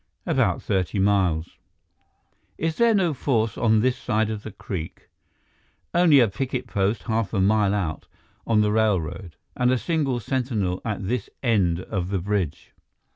"About thirty miles." "Is there no force on this side of the creek?" "Only a picket post half a mile out, on the railroad, and a single sentinel at this end of the bridge."